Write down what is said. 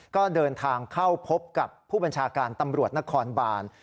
ก็เดินทางเข้าพบกับผู้บัญชาการตำรวจนครบาน